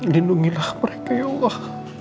lindungilah mereka ya allah